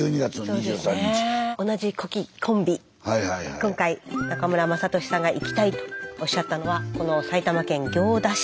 今回中村雅俊さんが行きたいとおっしゃったのはこの埼玉県行田市。